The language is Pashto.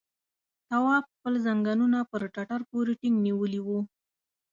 تواب خپل ځنګنونه پر ټټر پورې ټينګ نيولي وو.